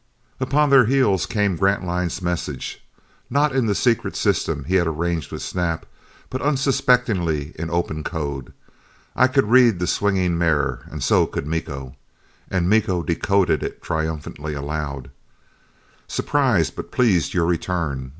And upon their heels came Grantline's message. Not in the secret system he had arranged with Snap, but unsuspectingly in open code. I could read the swinging mirror, and so could Miko. And Miko decoded it triumphantly aloud: "Surprised but pleased your return.